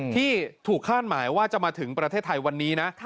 ที่ถูกคาดหมายว่าจะมาถึงประเทศไทยวันนี้นะ